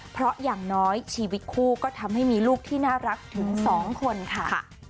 เพราะอย่างน้อยชีวิตคู่ก็ทำให้มีลูกที่น่ารักถึง๒คนค่ะ